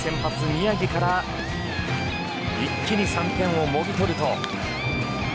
宮城から一気に３点をもぎ取ると。